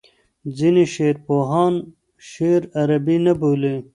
ځینې شعرپوهان شعر عربي نه بولي.